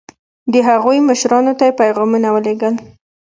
د هغوی مشرانو ته یې پیغامونه ولېږل.